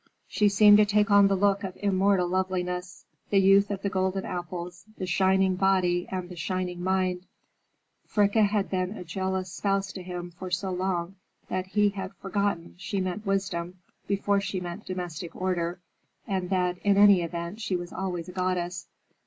She seemed to take on the look of immortal loveliness, the youth of the golden apples, the shining body and the shining mind. Fricka had been a jealous spouse to him for so long that he had forgot she meant wisdom before she meant domestic order, and that, in any event, she was always a goddess.